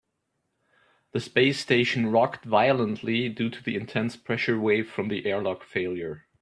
The space station rocked violently due to the intense pressure wave from the airlock failure.